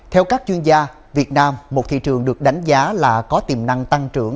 theo các chuyên gia việt nam một thị trường được đánh giá là có tiềm năng tăng trưởng